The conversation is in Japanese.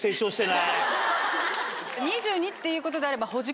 ２２っていうことであれば。